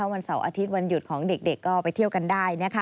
วันเสาร์อาทิตย์วันหยุดของเด็กก็ไปเที่ยวกันได้